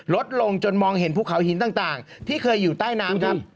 ลดลงจนมองเห็นภูเขาหินต่างที่เคยอยู่ใต้น้ำครับ